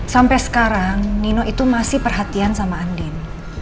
sampai sekarang nino itu masih perhatian sama andin